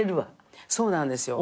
そうなんですよ。